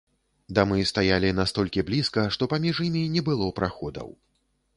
Дамы стаялі настолькі блізка, што паміж імі не было праходаў.